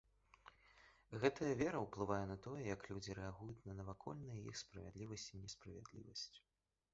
Гэтая вера ўплывае на тое, як людзі рэагуюць на навакольныя іх справядлівасць і несправядлівасць.